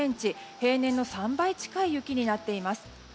平年の３倍近い雪になっています。